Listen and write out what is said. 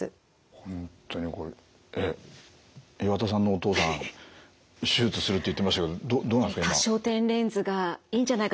本当にこれえっ岩田さんのお父さん手術するって言ってましたけどどうなんですか？